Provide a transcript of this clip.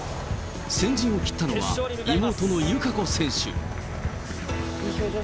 先陣を切ったのは、妹の友香子選手。